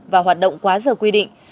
và hoạt động quá giờ quy định